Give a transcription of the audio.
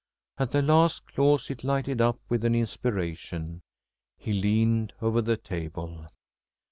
At the last clause it lighted up with an inspiration. He leaned over the table.